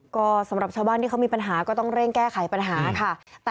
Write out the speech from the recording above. ก็สำหรับชาวบ้านที่เขามีปัญหาก็ต้องเร่งแก้ไขปัญหาค่ะ